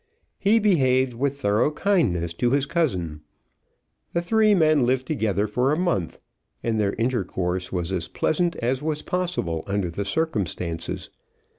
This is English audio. He behaved with thorough kindness to his cousin. The three men lived together for a month, and their intercourse was as pleasant as was possible under the circumstances.